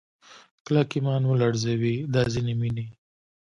کلک ایمان ولړزوي دا ځینې مینې